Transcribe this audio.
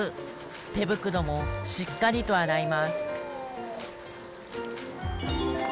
手袋もしっかりと洗います